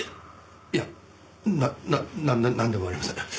いいやななんでもありません。